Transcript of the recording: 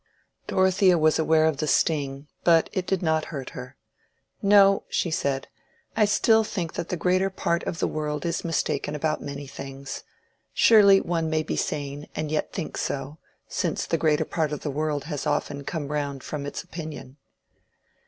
Dorothea was aware of the sting, but it did not hurt her. "No," she said, "I still think that the greater part of the world is mistaken about many things. Surely one may be sane and yet think so, since the greater part of the world has often had to come round from its opinion."